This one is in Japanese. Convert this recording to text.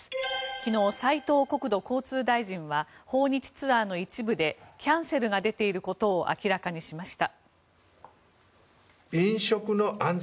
昨日、斉藤国土交通大臣は訪日ツアーの一部でキャンセルが出ていることを明らかにしました。